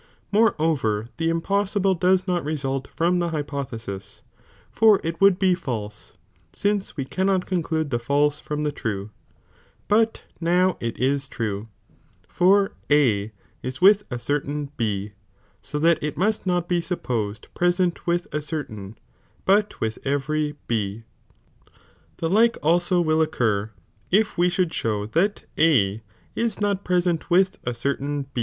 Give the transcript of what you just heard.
Moreover, the impossibile does not I result from the hypothesis, for it would be false, since we I cannot conclude the false from the true, hut now it is true, ' for A is with a certain B, so that it must not he supposed pre sent with a certain, but with every B. The like also will ' occur, if we should show that A is not present with a certain